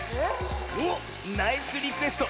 おっナイスリクエスト！